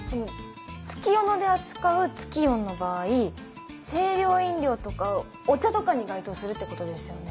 月夜野で扱うツキヨンの場合清涼飲料とかお茶とかに該当するってことですよね？